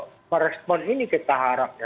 membuat yang lain merespon ini kita harap ya